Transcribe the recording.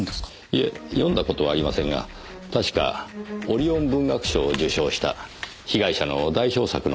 いえ読んだ事はありませんが確かオリオン文学賞を受賞した被害者の代表作のはずです。